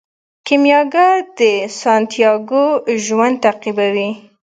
کیمیاګر د سانتیاګو ژوند تعقیبوي.